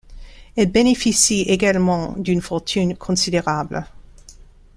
Elle bénéficie également d'une fortune considérable.